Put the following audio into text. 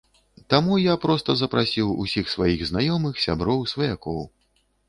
Таму я проста запрасіў усіх сваіх знаёмых, сяброў, сваякоў.